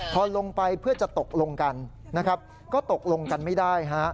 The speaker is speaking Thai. พอลงไปเพื่อจะตกลงกันนะครับก็ตกลงกันไม่ได้ฮะ